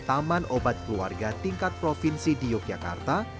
taman obat keluarga tingkat provinsi di yogyakarta